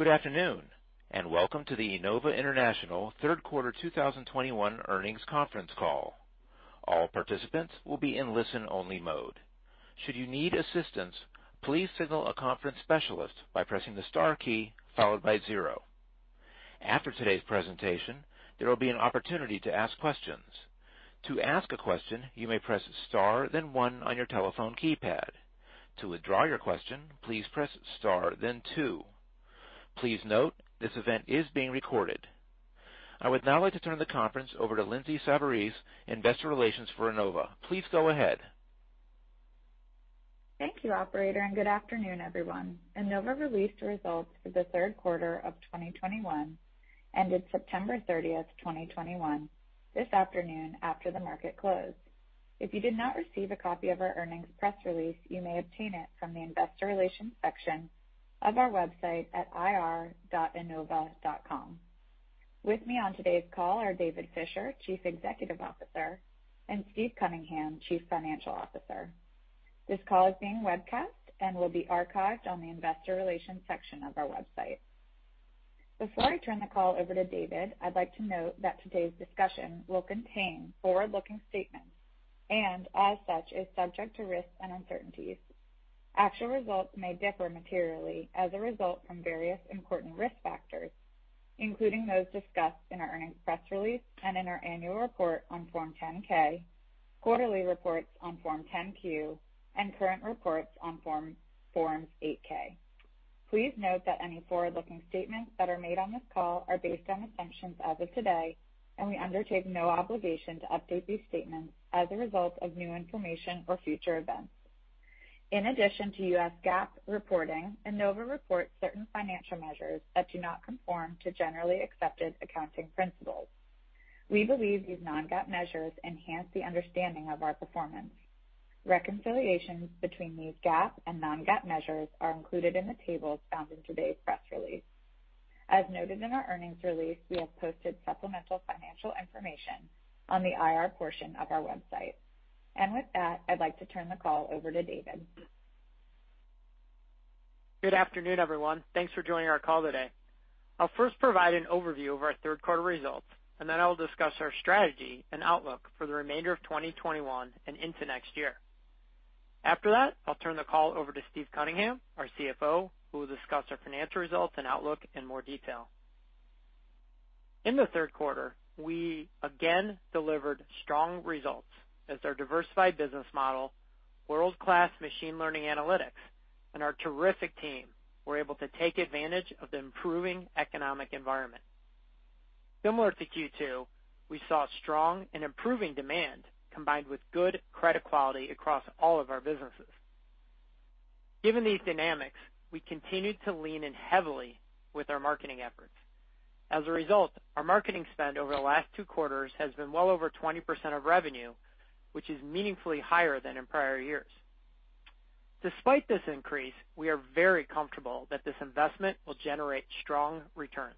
Good afternoon, and welcome to the Enova International Q3 2021 earnings conference call. All participants will be in listen-only mode. Should you need assistance, please signal a conference specialist by pressing the star key followed by zero. After today's presentation, there will be an opportunity to ask questions. To ask a question, you may press star then one on your telephone keypad. To withdraw your question, please press star then two. Please note this event is being recorded. I would now like to turn the conference over to Lindsay Savarese, Investor Relations for Enova. Please go ahead. Thank you operator and good afternoon everyone. Enova released results for the Q3 of 2021 ended September 30, 2021 this afternoon after the market closed. If you did not receive a copy of our earnings press release, you may obtain it from the investor relations section of our website at ir.enova.com. With me on today's call are David Fisher, Chief Executive Officer, and Steve Cunningham, Chief Financial Officer. This call is being webcast and will be archived on the investor relations section of our website. Before I turn the call over to David, I'd like to note that today's discussion will contain forward-looking statements and as such is subject to risks and uncertainties. Actual results may differ materially as a result from various important risk factors, including those discussed in our earnings press release and in our annual report on Form 10-K, quarterly reports on Form 10-Q, and current reports on Forms 8-K. Please note that any forward-looking statements that are made on this call are based on assumptions as of today, and we undertake no obligation to update these statements as a result of new information or future events. In addition to U.S. GAAP reporting, Enova reports certain financial measures that do not conform to generally accepted accounting principles. We believe these non-GAAP measures enhance the understanding of our performance. Reconciliations between these GAAP and non-GAAP measures are included in the tables found in today's press release. As noted in our earnings release, we have posted supplemental financial information on the IR portion of our website. With that, I'd like to turn the call over to David. Good afternoon, everyone. Thanks for joining our call today. I'll first provide an overview of our Q3 results, and then I'll discuss our strategy and outlook for the remainder of 2021 and into next year. After that, I'll turn the call over to Steve Cunningham, our CFO, who will discuss our financial results and outlook in more detail. In the Q3, we again delivered strong results as our diversified business model, world-class machine learning analytics, and our terrific team were able to take advantage of the improving economic environment. Similar to Q2, we saw strong and improving demand combined with good credit quality across all of our businesses. Given these dynamics, we continued to lean in heavily with our marketing efforts. As a result, our marketing spend over the last two quarters has been well over 20% of revenue, which is meaningfully higher than in prior years. Despite this increase, we are very comfortable that this investment will generate strong returns.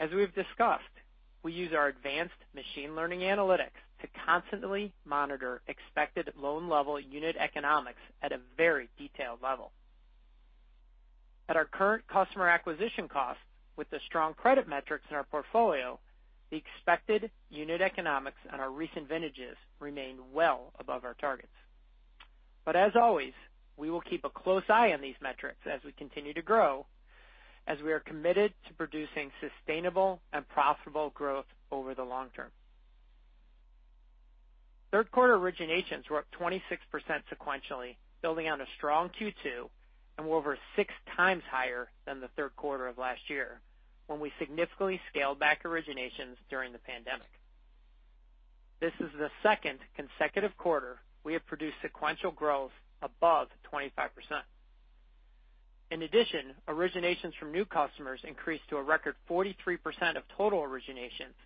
As we've discussed, we use our advanced machine learning analytics to constantly monitor expected loan-level unit economics at a very detailed level. At our current customer acquisition cost with the strong credit metrics in our portfolio, the expected unit economics on our recent vintages remain well above our targets. As always, we will keep a close eye on these metrics as we continue to grow, as we are committed to producing sustainable and profitable growth over the long term. Q3 originations were up 26% sequentially, building on a strong Q2 and were over six times higher than the Q3 of last year when we significantly scaled back originations during the pandemic. This is the second consecutive quarter we have produced sequential growth above 25%. In addition, originations from new customers increased to a record 43% of total originations,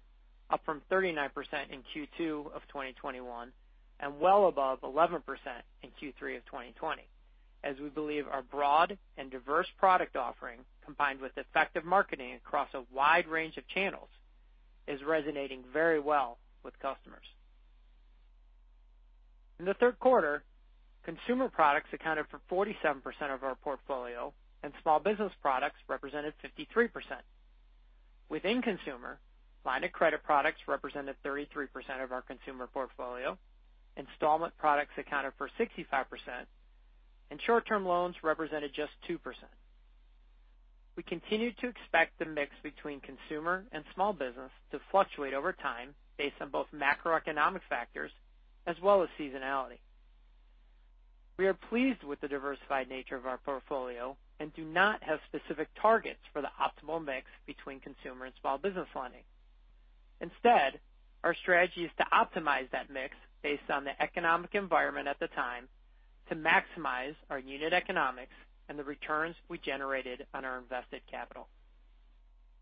up from 39% in Q2 of 2021 and well above 11% in Q3 of 2020, as we believe our broad and diverse product offering, combined with effective marketing across a wide range of channels, is resonating very well with customers. In the Q3, consumer products accounted for 47% of our portfolio, and small business products represented 53%. Within consumer, line of credit products represented 33% of our consumer portfolio, installment products accounted for 65%, and short-term loans represented just 2%. We continue to expect the mix between consumer and small business to fluctuate over time based on both macroeconomic factors as well as seasonality. We are pleased with the diversified nature of our portfolio and do not have specific targets for the optimal mix between consumer and small business lending. Instead, our strategy is to optimize that mix based on the economic environment at the time to maximize our unit economics and the returns we generated on our invested capital.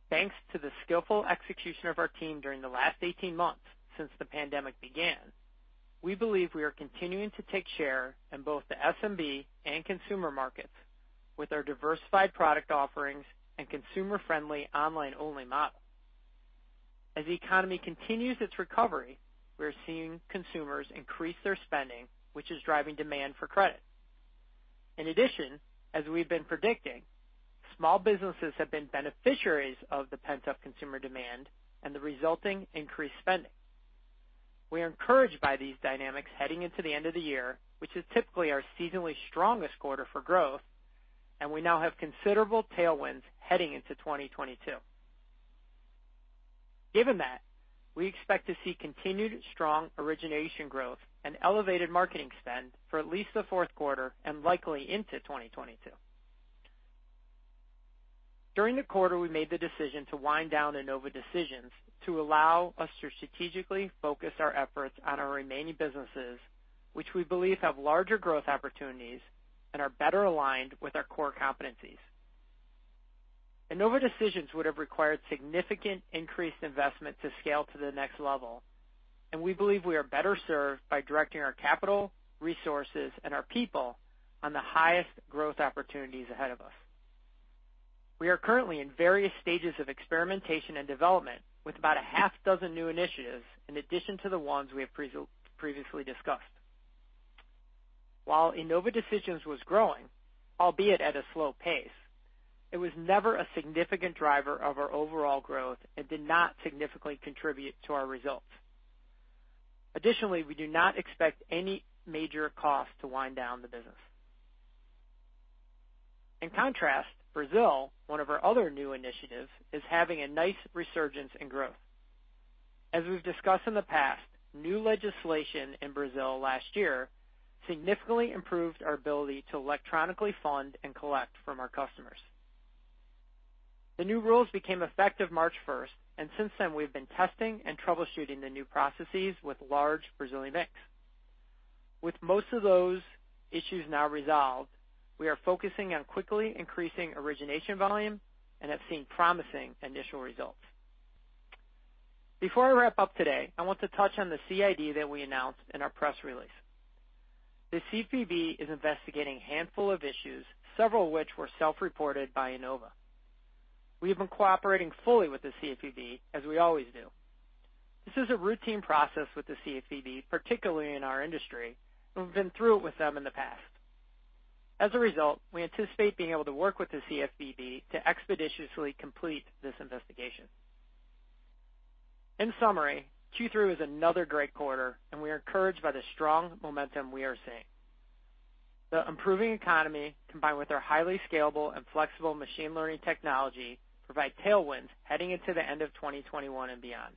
Thanks to the skillful execution of our team during the last 18 months since the pandemic began, we believe we are continuing to take share in both the SMB and consumer markets with our diversified product offerings and consumer-friendly online-only model. As the economy continues its recovery, we are seeing consumers increase their spending, which is driving demand for credit. In addition, as we've been predicting, small businesses have been beneficiaries of the pent-up consumer demand and the resulting increased spending. We are encouraged by these dynamics heading into the end of the year, which is typically our seasonally strongest quarter for growth, and we now have considerable tailwinds heading into 2022. Given that, we expect to see continued strong origination growth and elevated marketing spend for at least the Q4 and likely into 2022. During the quarter, we made the decision to wind down Enova Decisions to allow us to strategically focus our efforts on our remaining businesses, which we believe have larger growth opportunities and are better aligned with our core competencies. Enova Decisions would have required significant increased investment to scale to the next level, and we believe we are better served by directing our capital, resources, and our people on the highest growth opportunities ahead of us. We are currently in various stages of experimentation and development with about a half dozen new initiatives in addition to the ones we have previously discussed. While Enova Decisions was growing, albeit at a slow pace, it was never a significant driver of our overall growth and did not significantly contribute to our results. Additionally, we do not expect any major cost to wind down the business. In contrast, Brazil, one of our other new initiatives, is having a nice resurgence in growth. As we've discussed in the past, new legislation in Brazil last year significantly improved our ability to electronically fund and collect from our customers. The new rules became effective March first, and since then, we've been testing and troubleshooting the new processes with large Brazilian banks. With most of those issues now resolved, we are focusing on quickly increasing origination volume and have seen promising initial results. Before I wrap up today, I want to touch on the CID that we announced in our press release. The CFPB is investigating a handful of issues, several of which were self-reported by Enova. We have been cooperating fully with the CFPB, as we always do. This is a routine process with the CFPB, particularly in our industry, and we've been through it with them in the past. As a result, we anticipate being able to work with the CFPB to expeditiously complete this investigation. In summary, Q3 was another great quarter, and we are encouraged by the strong momentum we are seeing. The improving economy, combined with our highly scalable and flexible machine learning technology, provide tailwinds heading into the end of 2021 and beyond.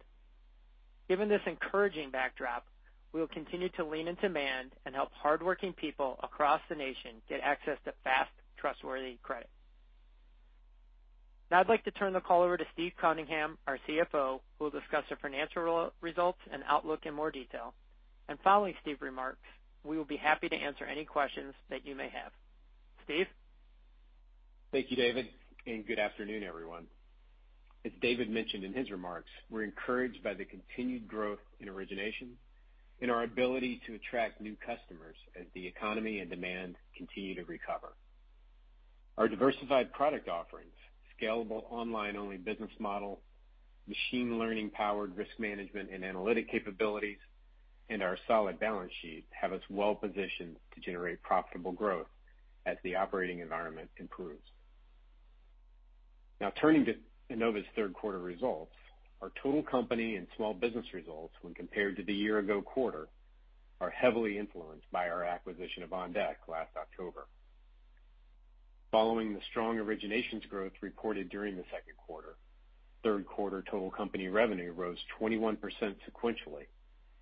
Given this encouraging backdrop, we will continue to lean into demand and help hardworking people across the nation get access to fast, trustworthy credit. Now I'd like to turn the call over to Steve Cunningham, our CFO, who will discuss the financial results and outlook in more detail. Following Steve's remarks, we will be happy to answer any questions that you may have. Steve? Thank you, David, and good afternoon, everyone. As David mentioned in his remarks, we're encouraged by the continued growth in origination and our ability to attract new customers as the economy and demand continue to recover. Our diversified product offerings, scalable online-only business model, machine learning-powered risk management and analytic capabilities, and our solid balance sheet have us well-positioned to generate profitable growth as the operating environment improves. Now turning to Enova Q3 results, our total company and small business results when compared to the year-ago quarter are heavily influenced by our acquisition of OnDeck last October. Following the strong originations growth reported during the Q2, Q3 total company revenue rose 21% sequentially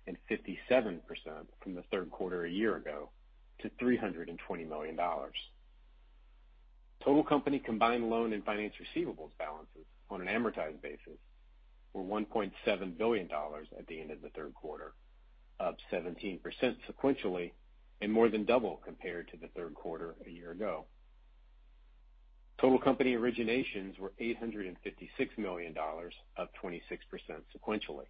and 57% from the Q3 a year ago to $320 million. Total company combined loan and finance receivables balances on an amortized basis were $1.7 billion at the end of the Q3, up 17% sequentially and more than double compared to the Q3 a year ago. Total company originations were $856 million, up 26% sequentially.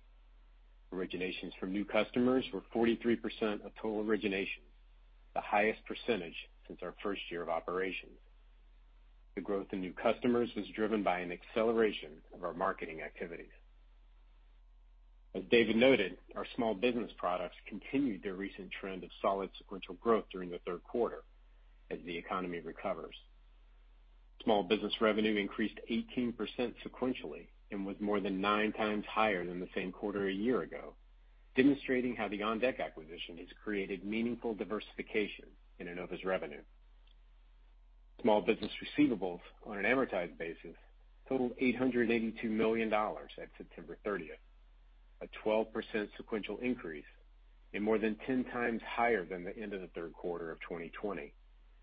Originations from new customers were 43% of total originations, the highest percentage since our first year of operations. The growth in new customers was driven by an acceleration of our marketing activities. As David noted, our small business products continued their recent trend of solid sequential growth during the Q3 as the economy recovers. Small business revenue increased 18% sequentially and was more than 9x higher than the same quarter a year ago, demonstrating how the OnDeck acquisition has created meaningful diversification in Enova's revenue. Small business receivables on an amortized basis totaled $882 million at September 30th, a 12% sequential increase and more than 10x higher than the end of the Q3 of 2020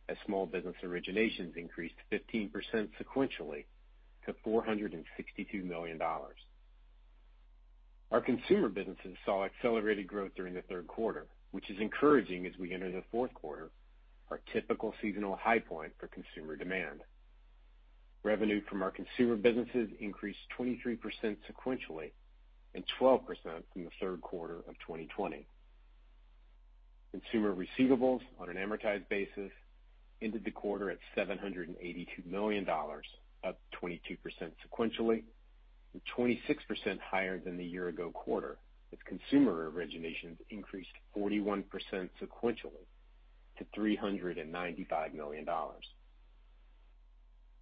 as small business originations increased 15% sequentially to $462 million. Our consumer businesses saw accelerated growth during the Q3, which is encouraging as we enter the Q4, our typical seasonal high point for consumer demand. Revenue from our consumer businesses increased 23% sequentially and 12% from the Q3 of 2020. Consumer receivables on an amortized basis ended the quarter at $782 million, up 22% sequentially, and 26% higher than the year ago quarter, as consumer originations increased 41% sequentially to $395 million.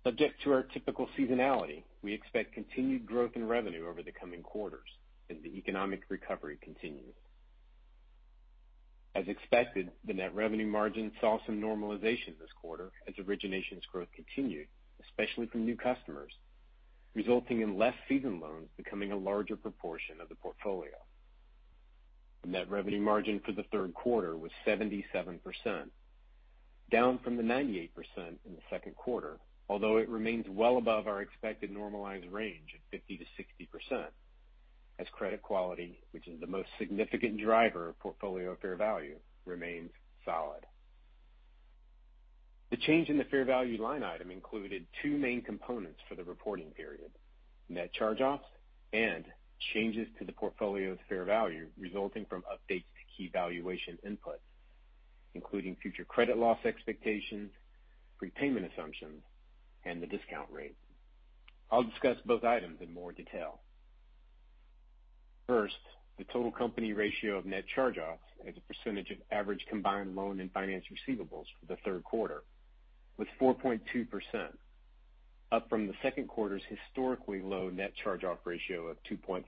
Subject to our typical seasonality, we expect continued growth in revenue over the coming quarters as the economic recovery continues. As expected, the net revenue margin saw some normalization this quarter as originations growth continued, especially from new customers, resulting in less seasoned loans becoming a larger proportion of the portfolio. The net revenue margin for the Q3 was 77%, down from the 98% in the Q2, although it remains well above our expected normalized range of 50%-60% as credit quality, which is the most significant driver of portfolio fair value, remains solid. The change in the fair value line item included two main components for the reporting period, net charge-offs and changes to the portfolio's fair value resulting from updates to key valuation inputs, including future credit loss expectations, prepayment assumptions, and the discount rate. I'll discuss both items in more detail. First, the total company ratio of net charge-offs as a percentage of average combined loan and finance receivables for the Q3 was 4.2%, up from the Q2's historically low net charge-off ratio of 2.4%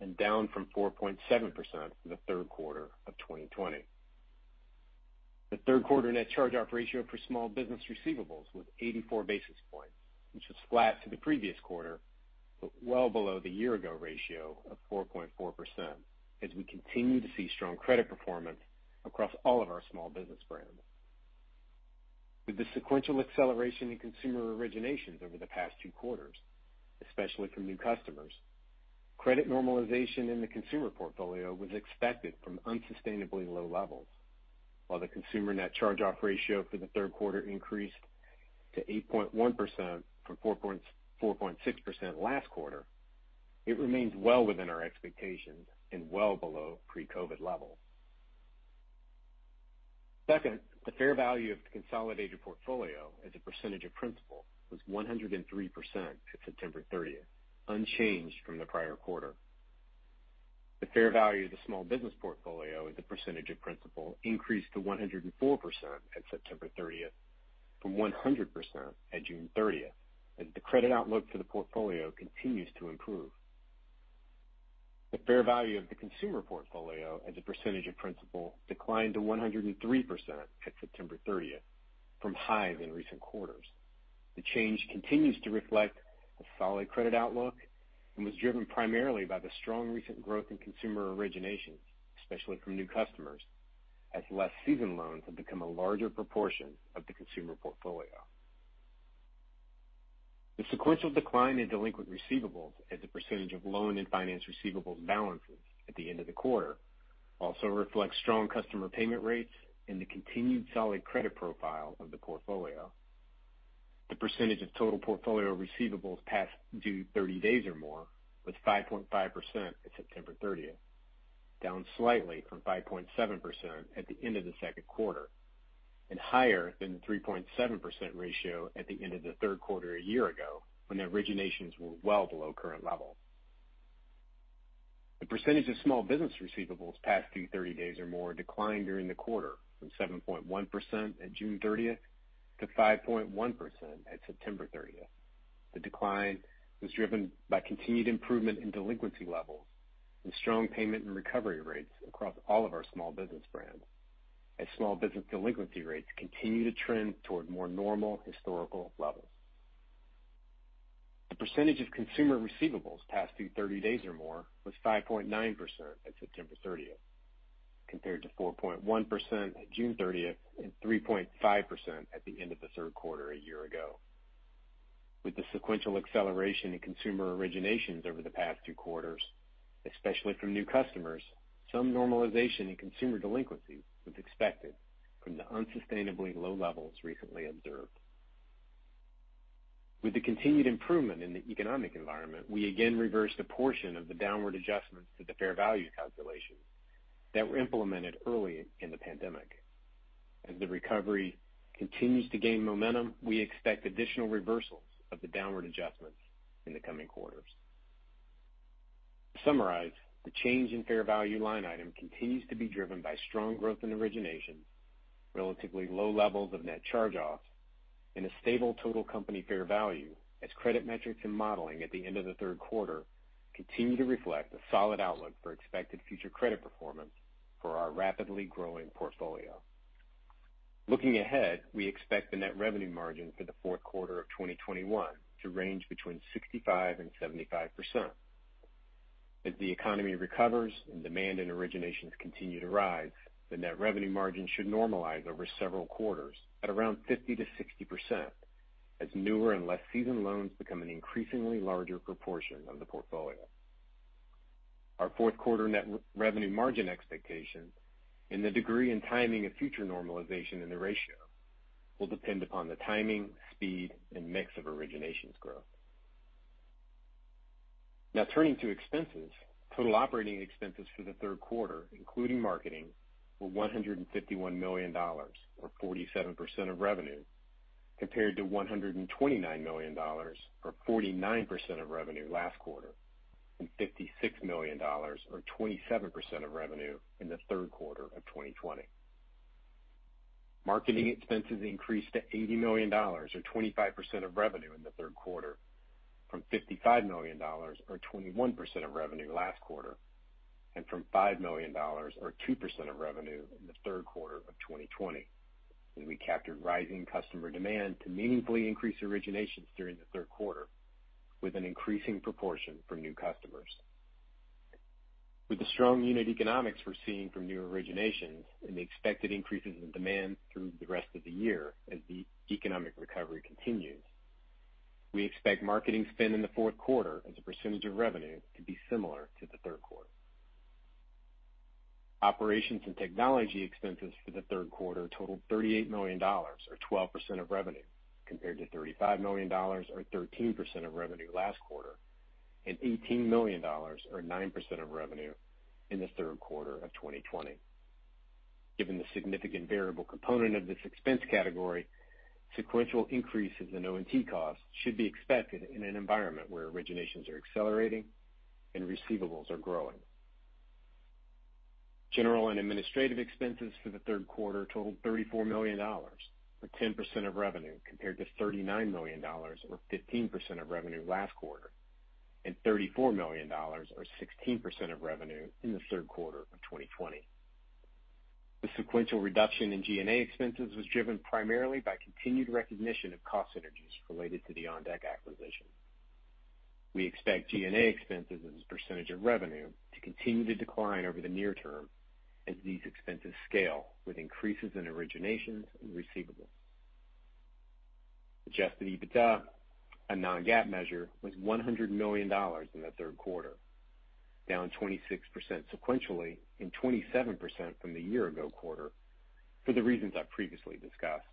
and down from 4.7% from the Q3 of 2020. The Q3 net charge-off ratio for small business receivables was 84 basis points, which was flat to the previous quarter, but well below the year ago ratio of 4.4% as we continue to see strong credit performance across all of our small business brands. With the sequential acceleration in consumer originations over the past two quarters, especially from new customers, credit normalization in the consumer portfolio was expected from unsustainably low levels. While the consumer net charge-off ratio for the Q3 increased to 8.1% from 4.46% last quarter, it remains well within our expectations and well below pre-COVID levels. Second, the fair value of the consolidated portfolio as a percentage of principal was 103% at September 30th, unchanged from the prior quarter. The fair value of the small business portfolio as a percentage of principal increased to 104% at September 30th from 100% at June 30th, as the credit outlook for the portfolio continues to improve. The fair value of the consumer portfolio as a percentage of principal declined to 103% at September 30th from highs in recent quarters. The change continues to reflect a solid credit outlook and was driven primarily by the strong recent growth in consumer originations, especially from new customers, as less seasoned loans have become a larger proportion of the consumer portfolio. The sequential decline in delinquent receivables as a percentage of loan and finance receivables balances at the end of the quarter also reflects strong customer payment rates and the continued solid credit profile of the portfolio. The percentage of total portfolio receivables past due 30 days or more was 5.5% at September thirtieth, down slightly from 5.7% at the end of the Q2, and higher than the 3.7% ratio at the end of the Q3 a year ago when the originations were well below current levels. The percentage of small business receivables past due 30 days or more declined during the quarter from 7.1% at June 30 to 5.1% at September 30. The decline was driven by continued improvement in delinquency levels and strong payment and recovery rates across all of our small business brands as small business delinquency rates continue to trend toward more normal historical levels. The percentage of consumer receivables past due 30 days or more was 5.9% at September 30 compared to 4.1% at June 30 and 3.5% at the end of the Q3 a year ago. With the sequential acceleration in consumer originations over the past two quarters, especially from new customers, some normalization in consumer delinquency was expected from the unsustainably low levels recently observed. With the continued improvement in the economic environment, we again reversed a portion of the downward adjustments to the fair value calculations that were implemented early in the pandemic. As the recovery continues to gain momentum, we expect additional reversals of the downward adjustments in the coming quarters. To summarize, the change in fair value line item continues to be driven by strong growth in origination, relatively low levels of net charge-offs, and a stable total company fair value as credit metrics and modeling at the end of the Q3 continue to reflect a solid outlook for expected future credit performance for our rapidly growing portfolio. Looking ahead, we expect the net revenue margin for the Q4 of 2021 to range between 65%-75%. As the economy recovers and demand and originations continue to rise, the net revenue margin should normalize over several quarters at around 50%-60% as newer and less seasoned loans become an increasingly larger proportion of the portfolio. Our Q4 net revenue margin expectations and the degree and timing of future normalization in the ratio will depend upon the timing, speed, and mix of originations growth. Now turning to expenses. Total operating expenses for the Q3, including marketing, were $151 million, or 47% of revenue, compared to $129 million, or 49% of revenue last quarter, and $56 million or 27% of revenue in the Q3 of 2020. Marketing expenses increased to $80 million or 25% of revenue in the Q3 from $55 million or 21% of revenue last quarter, and from $5 million or 2% of revenue in the Q3 of 2020, and we captured rising customer demand to meaningfully increase originations during the Q3 with an increasing proportion from new customers. With the strong unit economics we're seeing from new originations and the expected increases in demand through the rest of the year as the economic recovery continues, we expect marketing spend in the Q4 as a percentage of revenue to be similar to the Q3. Operations and technology expenses for the Q3 totaled $38 million or 12% of revenue, compared to $35 million or 13% of revenue last quarter, and $18 million or 9% of revenue in the Q3 of 2020. Given the significant variable component of this expense category, sequential increases in O&T costs should be expected in an environment where originations are accelerating and receivables are growing. General and administrative expenses for the Q3 totaled $34 million, or 10% of revenue, compared to $39 million or 15% of revenue last quarter, and $34 million or 16% of revenue in the Q3 of 2020. The sequential reduction in G&A expenses was driven primarily by continued recognition of cost synergies related to the OnDeck acquisition. We expect G&A expenses as a percentage of revenue to continue to decline over the near term as these expenses scale with increases in originations and receivables. Adjusted EBITDA, a non-GAAP measure, was $100 million in the Q3, down 26% sequentially and 27% from the year-ago quarter for the reasons I previously discussed.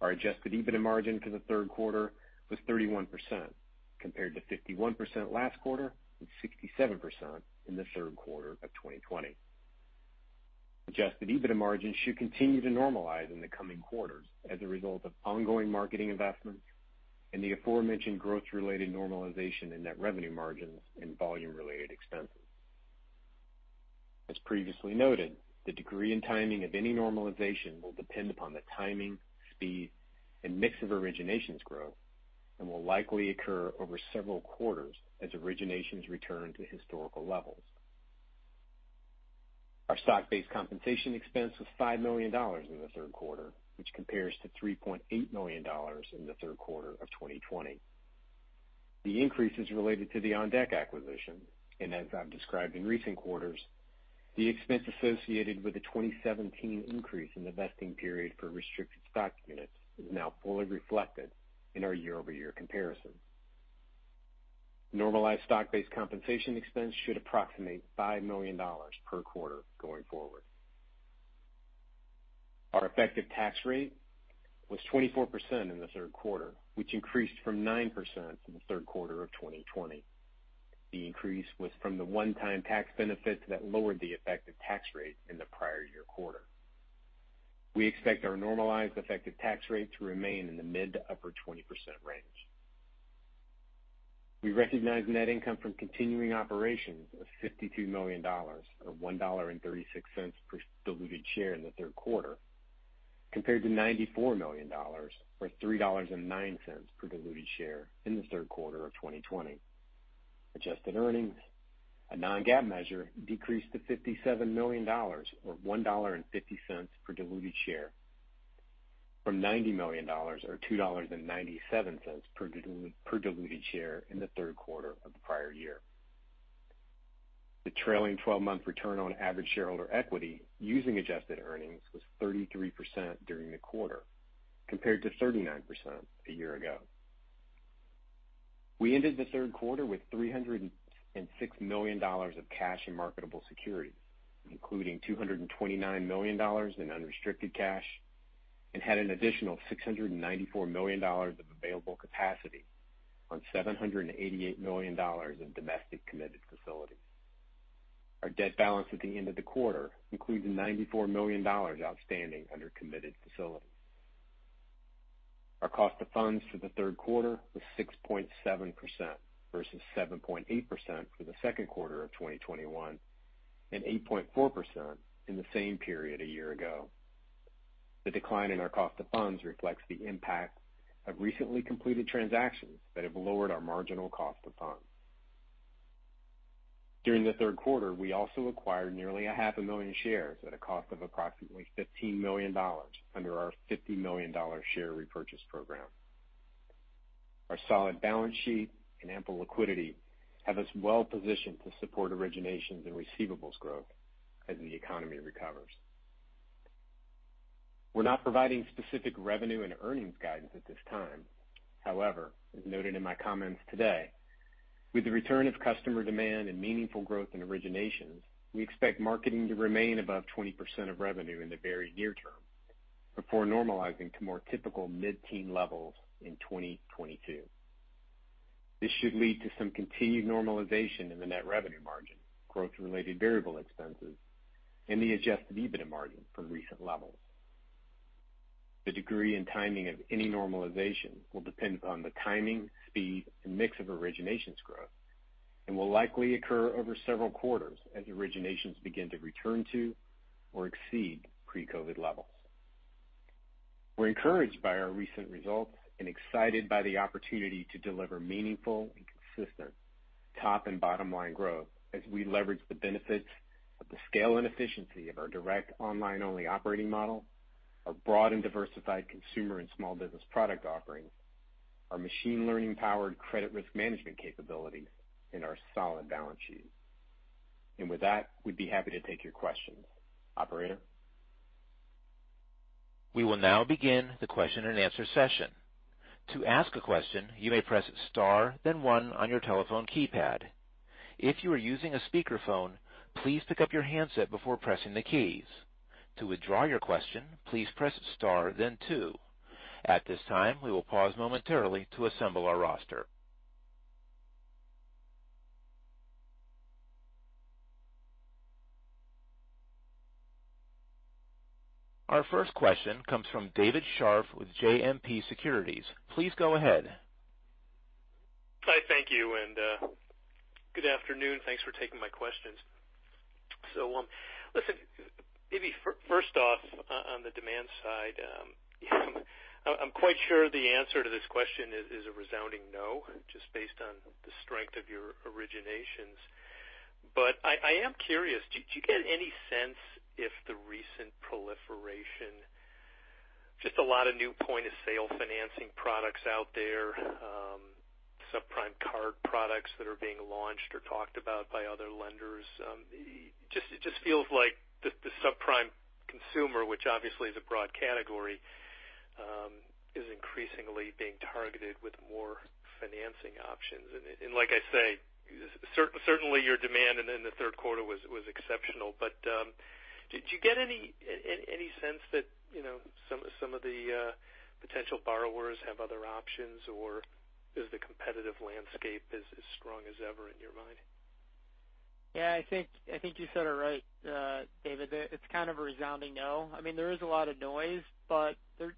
Our adjusted EBITDA margin for the Q3 was 31% compared to 51% last quarter and 67% in the Q3 of 2020. Adjusted EBITDA margins should continue to normalize in the coming quarters as a result of ongoing marketing investments and the aforementioned growth-related normalization in net revenue margins and volume-related expenses. As previously noted, the degree and timing of any normalization will depend upon the timing, speed, and mix of originations growth and will likely occur over several quarters as originations return to historical levels. Our stock-based compensation expense was $5 million in the Q3, which compares to $3.8 million in the Q3 of 2020. The increase is related to the OnDeck acquisition, and as I've described in recent quarters, the expense associated with the 2017 increase in the vesting period for restricted stock units is now fully reflected in our year-over-year comparison. Normalized stock-based compensation expense should approximate $5 million per quarter going forward. Our effective tax rate was 24% in the Q3, which increased from 9% in the Q3 of 2020. The increase was from the one-time tax benefits that lowered the effective tax rate in the prior year quarter. We expect our normalized effective tax rate to remain in the mid- to upper-20% range. We recognized net income from continuing operations of $52 million, or $1.36 per diluted share in the Q3, compared to $94 million or $3.09 per diluted share in the Q3 of 2020. Adjusted earnings, a non-GAAP measure, decreased to $57 million or $1.50 per diluted share from $90 million or $2.97 per diluted share in the Q3 of the prior year. The trailing twelve-month return on average shareholder equity using adjusted earnings was 33% during the quarter, compared to 39% a year ago. We ended the Q3 with $306 million of cash and marketable securities, including $229 million in unrestricted cash, and had an additional $694 million of available capacity on $788 million in domestic committed facilities. Our debt balance at the end of the quarter includes $94 million outstanding under committed facilities. Our cost of funds for the Q3 was 6.7% versus 7.8% for the Q2 of 2021 and 8.4% in the same period a year ago. The decline in our cost of funds reflects the impact of recently completed transactions that have lowered our marginal cost of funds. During the Q3, we also acquired nearly 500,000 shares at a cost of approximately $15 million under our $50 million share repurchase program. Our solid balance sheet and ample liquidity have us well positioned to support originations and receivables growth as the economy recovers. We're not providing specific revenue and earnings guidance at this time. However, as noted in my comments today, with the return of customer demand and meaningful growth in originations, we expect marketing to remain above 20% of revenue in the very near term before normalizing to more typical mid-teen levels in 2022. This should lead to some continued normalization in the net revenue margin, growth-related variable expenses, and the adjusted EBITDA margin from recent levels. The degree and timing of any normalization will depend upon the timing, speed, and mix of originations growth and will likely occur over several quarters as originations begin to return to or exceed pre-COVID levels. We're encouraged by our recent results and excited by the opportunity to deliver meaningful and consistent top and bottom-line growth as we leverage the benefits of the scale and efficiency of our direct online-only operating model, our broad and diversified consumer and small business product offerings, our machine learning-powered credit risk management capabilities, and our solid balance sheet. With that, we'd be happy to take your questions. Operator? We will now begin the question-and-answer session. To ask a question, you may press Star, then One on your telephone keypad. If you are using a speakerphone, please pick up your handset before pressing the keys. To withdraw your question, please press Star then Two. At this time, we will pause momentarily to assemble our roster. Our first question comes from David Scharf with JMP Securities. Please go ahead. Hi. Thank you, and good afternoon. Thanks for taking my questions. Listen, maybe first off, on the demand side, I'm quite sure the answer to this question is a resounding no, just based on the strength of your originations. I am curious. Do you get any sense if the recent proliferation, just a lot of new point-of-sale financing products out there, subprime card products that are being launched or talked about by other lenders, just, it just feels like the subprime consumer, which obviously is a broad category, is increasingly being targeted with more financing options. Like I say, certainly your demand in the Q3 was exceptional. Did you get any sense that, you know, some of the potential borrowers have other options, or is the competitive landscape as strong as ever in your mind? Yeah. I think you said it right, David. It's kind of a resounding no. I mean, there is a lot of noise, but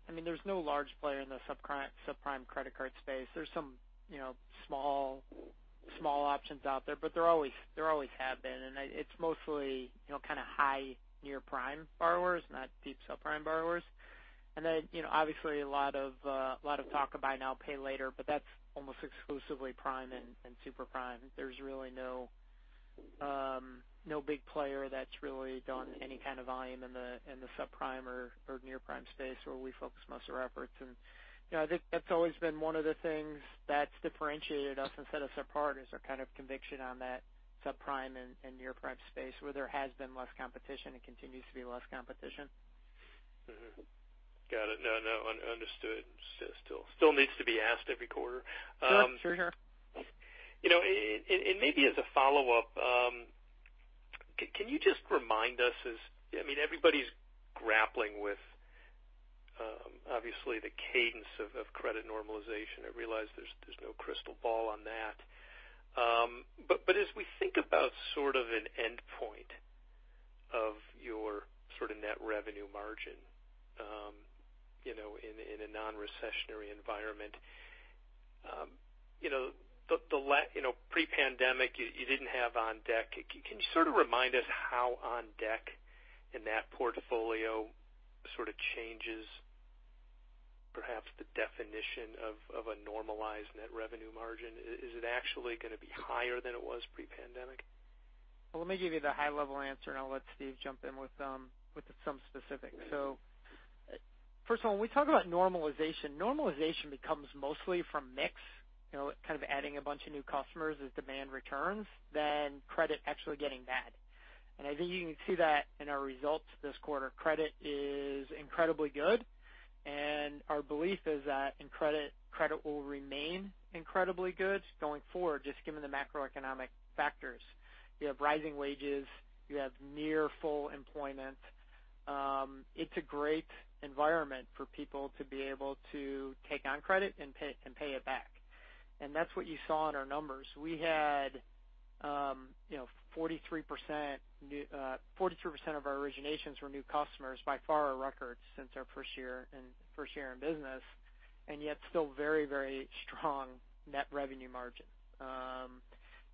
I mean, there's no large player in the subprime credit card space. There's some, you know, small options out there, but there always have been. It's mostly, you know, kind of high near-prime borrowers, not deep subprime borrowers. You know, obviously a lot of talk of buy now, pay later, but that's almost exclusively prime and super prime. There's really no big player that's really done any kind of volume in the subprime or near-prime space where we focus most of our efforts. You know, that's always been one of the things that's differentiated us and set us apart is our kind of conviction on that subprime and near-prime space where there has been less competition and continues to be less competition. Got it. No. Understood. Still needs to be asked every quarter. Sure. You know, maybe as a follow-up, can you just remind us? I mean, everybody's grappling with obviously the cadence of credit normalization. I realize there's no crystal ball on that. As we think about sort of an endpoint of your sort of net revenue margin, you know, in a non-recessionary environment, you know, pre-pandemic you didn't have OnDeck. Can you sort of remind us how OnDeck in that portfolio sort of changes perhaps the definition of a normalized net revenue margin? Is it actually gonna be higher than it was pre-pandemic? Let me give you the high-level answer, and I'll let Steve jump in with some specifics. First of all, when we talk about normalization becomes mostly from mix, you know, kind of adding a bunch of new customers as demand returns rather than credit actually getting bad. I think you can see that in our results this quarter. Credit is incredibly good, and our belief is that in credit will remain incredibly good going forward just given the macroeconomic factors. You have rising wages. You have near full employment. It's a great environment for people to be able to take on credit and pay it back. That's what you saw in our numbers. We had, you know, 43% of our originations were new customers, by far a record since our first year in business, and yet still very, very strong net revenue margin.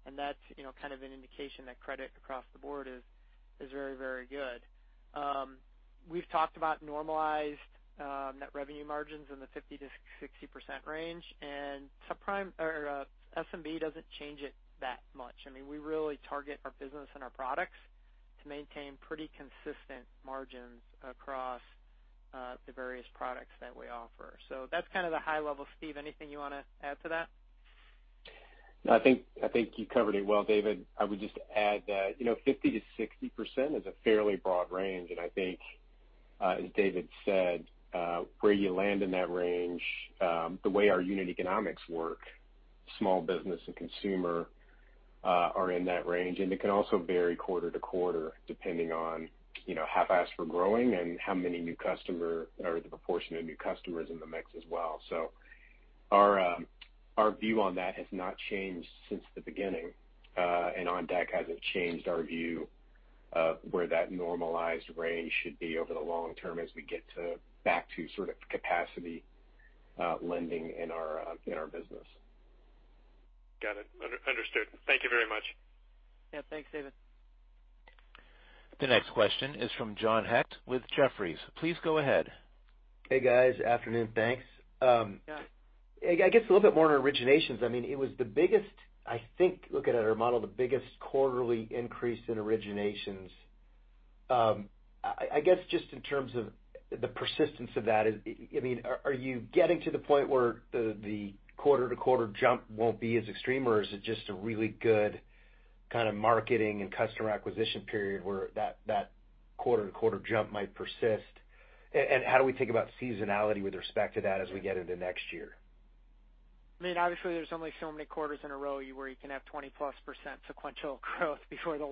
And that's, you know, kind of an indication that credit across the board is very, very good. We've talked about normalized net revenue margins in the 50%-60% range, and subprime or SMB doesn't change it that much. I mean, we really target our business and our products to maintain pretty consistent margins across the various products that we offer. That's kind of the high level. Steve, anything you wanna add to that? No, I think you covered it well, David. I would just add that, you know, 50%-60% is a fairly broad range, and I think, as David said, where you land in that range, the way our unit economics work. Small business and consumer are in that range. It can also vary quarter to quarter, depending on, you know, how fast we're growing and how many new customer or the proportion of new customers in the mix as well. Our view on that has not changed since the beginning, and OnDeck hasn't changed our view of where that normalized range should be over the long term as we get back to sort of capacity lending in our business. Got it. Understood. Thank you very much. Yeah, thanks, David. The next question is from John Hecht with Jefferies. Please go ahead. Hey, guys. Afternoon, thanks. I guess a little bit more on originations. I mean, it was the biggest, I think, looking at our model, the biggest quarterly increase in originations. I guess just in terms of the persistence of that, I mean, are you getting to the point where the quarter-to-quarter jump won't be as extreme, or is it just a really good kind of marketing and customer acquisition period where that quarter-to-quarter jump might persist? How do we think about seasonality with respect to that as we get into next year? I mean, obviously, there's only so many quarters in a row where you can have 20+% sequential growth before the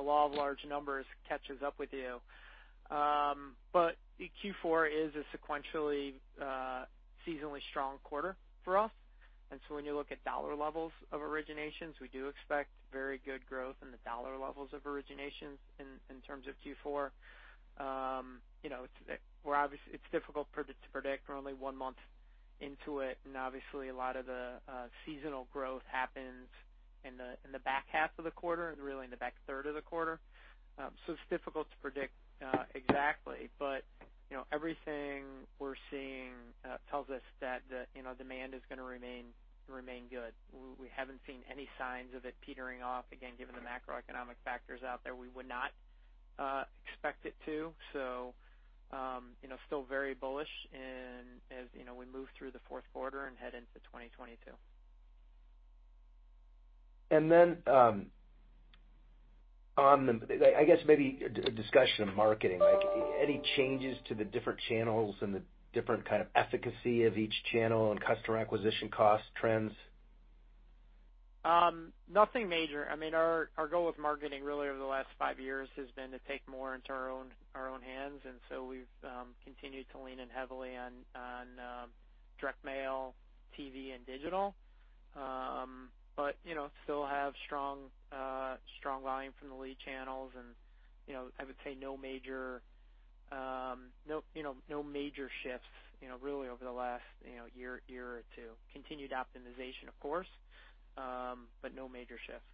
law of large numbers catches up with you. Q4 is a sequentially, seasonally strong quarter for us. When you look at dollar levels of originations, we do expect very good growth in the dollar levels of originations in terms of Q4. It's difficult to predict. We're only one month into it, and obviously, a lot of the seasonal growth happens in the back half of the quarter, really in the back third of the quarter. It's difficult to predict exactly. Everything we're seeing tells us that the demand is gonna remain good. We haven't seen any signs of it petering off. Again, given the macroeconomic factors out there, we would not expect it to. You know, still very bullish and as, you know, we move through the Q4 and head into 2022. I guess maybe a discussion of marketing. Like, any changes to the different channels and the different kind of efficacy of each channel and customer acquisition cost trends? Nothing major. I mean, our goal with marketing really over the last five years has been to take more into our own hands. We've continued to lean in heavily on direct mail, TV and digital. You know, still have strong volume from the lead channels. You know, I would say no major shifts really over the last year or two. Continued optimization, of course, but no major shifts.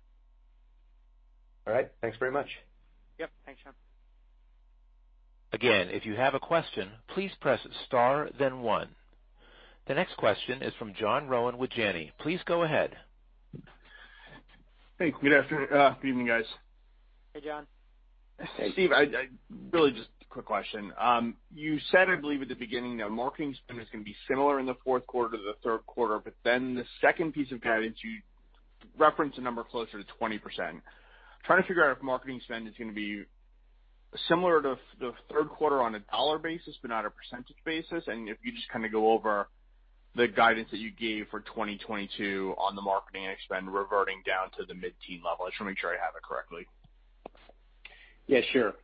All right. Thanks very much. Yep. Thanks, John. Again, if you have a question, please press star then one. The next question is from John Rowan with Janney. Please go ahead. Hey, good evening, guys. Hey, John. Steve, I really just a quick question. You said, I believe at the beginning that marketing spend is gonna be similar in the Q4 to the Q3, but then the second piece of guidance, you referenced a number closer to 20%. Trying to figure out if marketing spend is gonna be similar to the Q3 on a dollar basis, but not a percentage basis, and if you just kinda go over the guidance that you gave for 2022 on the marketing spend reverting down to the mid-teen level. I just wanna make sure I have it correctly. Yeah, sure.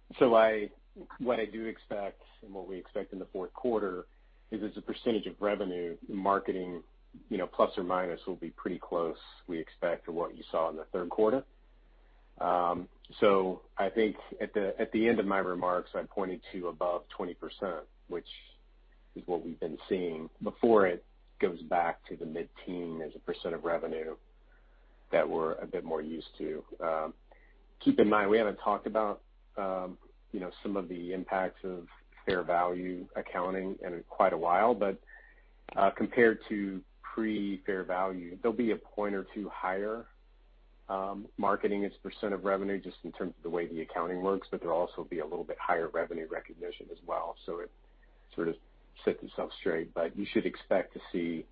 What I do expect and what we expect in the Q4 is as a percentage of revenue, marketing, you know, plus or minus will be pretty close, we expect, to what you saw in the Q3. I think at the end of my remarks, I pointed to above 20%, which is what we've been seeing before it goes back to the mid-teen as a percent of revenue that we're a bit more used to. Keep in mind, we haven't talked about, you know, some of the impacts of fair value accounting in quite a while. But compared to pre-fair value, there'll be a point or two higher, marketing as percent of revenue, just in the way the accounting works, but there'll also be a little bit higher revenue recognition as well. It sort of set themselves straight. You should expect to see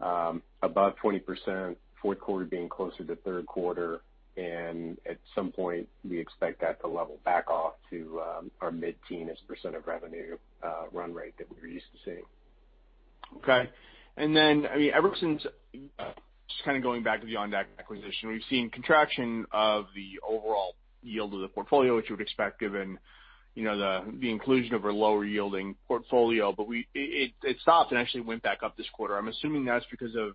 above 20%, Q4 being closer to Q3, and at some point, we expect that to level back off to our mid-teen as a % of revenue run rate that we're used to seeing. Okay. Then, I mean, ever since, just kinda going back to the OnDeck acquisition, we've seen contraction of the overall yield of the portfolio, which you would expect given, you know, the inclusion of a lower-yielding portfolio. But it stopped and actually went back up this quarter. I'm assuming that's because of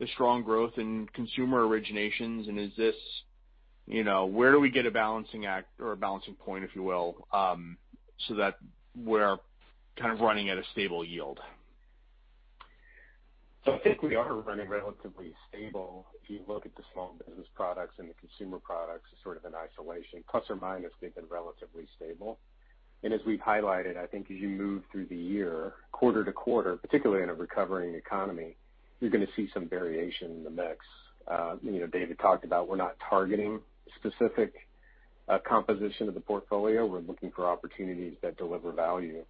the strong growth in consumer originations. Is this, you know, where do we get a balancing act or a balancing point, if you will, so that we're kind of running at a stable yield? I think we are running relatively stable if you look at the small business products and the consumer products as sort of an isolation. Plus or minus, they've been relatively stable. As we've highlighted, I think as you move through the year, quarter to quarter, particularly in a recovering economy, you're gonna see some variation in the mix. You know, David talked about we're not targeting specific composition of the portfolio. We're looking for opportunities that deliver value.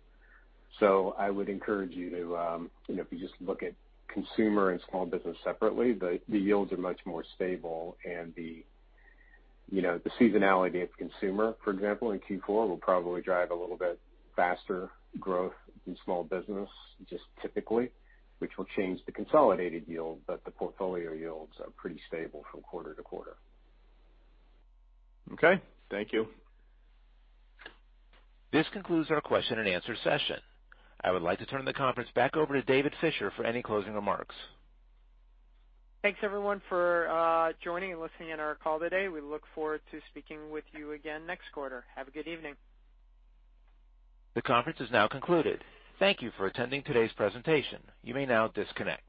I would encourage you to, you know, if you just look at consumer and small business separately, the yields are much more stable. You know, the seasonality of consumer, for example, in Q4 will probably drive a little bit faster growth in small business just typically, which will change the consolidated yield, but the portfolio yields are pretty stable from quarter to quarter. Okay. Thank you. This concludes our question and answer session. I would like to turn the conference back over to David Fisher for any closing remarks. Thanks, everyone, for joining and listening in our call today. We look forward to speaking with you again next quarter. Have a good evening. The conference is now concluded. Thank you for attending today's presentation. You may now disconnect.